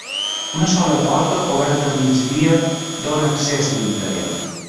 Una sola porta, oberta a migdia, dóna accés a l'interior.